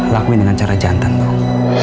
lakuin dengan cara jantan dong